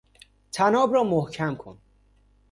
طناب را محکم کن